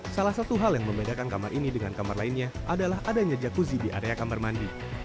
salah satu hal yang membedakan kamar ini dengan kamar lainnya adalah adanya jakuzi di area kamar mandi